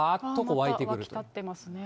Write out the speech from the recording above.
湧きたってますね。